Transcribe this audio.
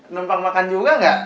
nempang makan juga gak